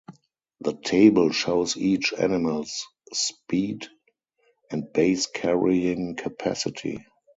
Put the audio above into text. The table shows each animal’s speed and base carrying capacity.